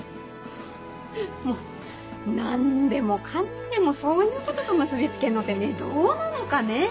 はぁもう何でもかんでもそういうことと結び付けんのってどうなのかねぇ。